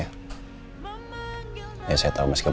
ya saya tau meskipun kau masih sakit